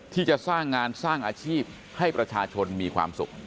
ที่จะสร้างงานสร้างอาชีพให้ประชาชนมีความสุข